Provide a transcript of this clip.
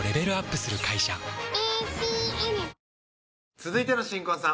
続いての新婚さん